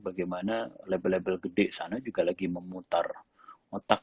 bagaimana label label gede sana juga lagi memutar otak